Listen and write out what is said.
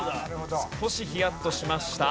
少しヒヤッとしました。